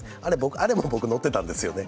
あれも僕、乗ってたんですよね。